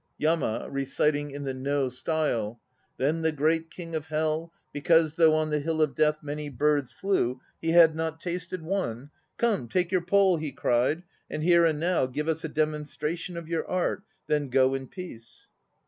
YAMA (reciting in the No style.) Then the great King of Hell Because, though on the Hill of Death Many birds flew, he had not tasted one, "Come, take your pole," he cried, and here and now Give us a demonstration of your art. Then go in peace.